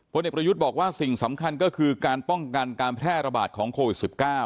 เด็กประยุทธ์บอกว่าสิ่งสำคัญก็คือการป้องกันการแพร่ระบาดของโควิด๑๙